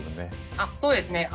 あっそうですね